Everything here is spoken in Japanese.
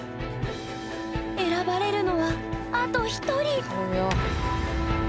選ばれるのはあと１人！